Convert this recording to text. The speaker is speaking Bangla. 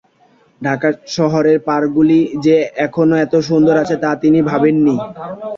ঢাকা শহরের পার্কগুলি যে এখনো এত সুন্দর আছে তা তিনি ভাবেন নি।